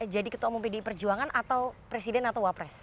jadi ketua umum pdi perjuangan atau presiden atau wapres